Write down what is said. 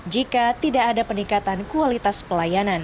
jika tidak ada peningkatan kualitas pelayanan